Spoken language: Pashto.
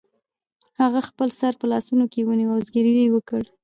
هغه خپل سر په لاسونو کې ونیو او زګیروی یې وکړ